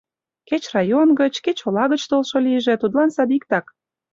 Кеч район гыч, кеч ола гыч толшо лийже — тудлан садиктак.